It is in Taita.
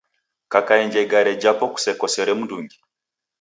Kakaenja igare jako kusekosere mndungi.